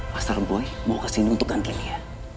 pastar boy mau kesini untuk gantinya